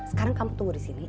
sekarang kamu tunggu disini